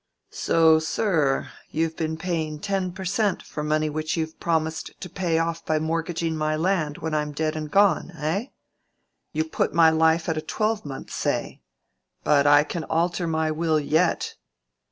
"So, sir, you've been paying ten per cent for money which you've promised to pay off by mortgaging my land when I'm dead and gone, eh? You put my life at a twelvemonth, say. But I can alter my will yet."